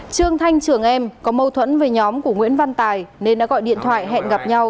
trương thanh trường em có mâu thuẫn với nhóm của nguyễn văn tài nên đã gọi điện thoại hẹn gặp nhau